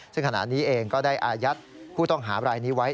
ซึ่งขณะนี้เองก็ได้อายัดผู้ต้องหาบรายนี้ไว้